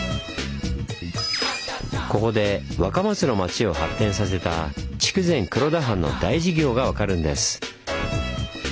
ここで若松の町を発展させた筑前黒田藩の大事業が分かるんです。